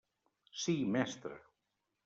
Sí, mestre.